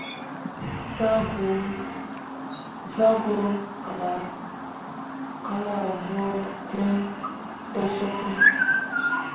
Zah go kallahvd̃ǝǝ ɓo sooke.